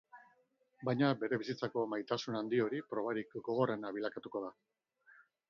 Baina bere bizitzako maitasun handi hori probarik gogorrena bilakatuko da.